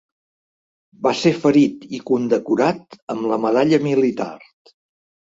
Va ser ferit i condecorat amb la Medalla Militar.